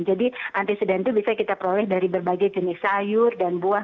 jadi antioksidan itu bisa kita peroleh dari berbagai jenis sayur dan buah